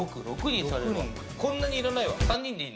こんなにいらないわ。